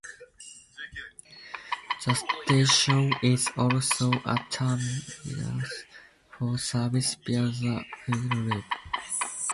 The station is also a terminus for services via the "Hainault loop".